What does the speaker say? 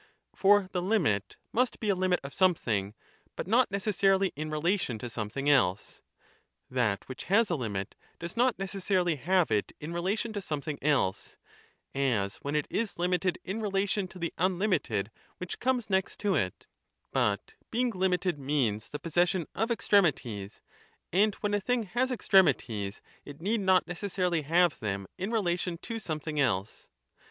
2 For the limit must be a limit of something, but not neces 10 sarily in relation to something else : that which has a limit does not necessarily have it in relation to something else (as when it is limited in relation to the unlimited which comes next to it), 3 but being limited means the possession of extremities, and when a thing has extremities it need not necessarily have them in relation to something else.